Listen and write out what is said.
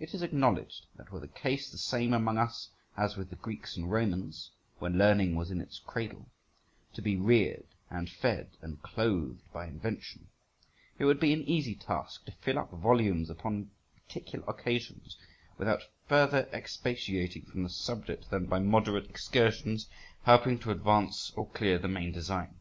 It is acknowledged that were the case the same among us as with the Greeks and Romans, when learning was in its cradle, to be reared and fed and clothed by invention, it would be an easy task to fill up volumes upon particular occasions without further expatiating from the subject than by moderate excursions, helping to advance or clear the main design.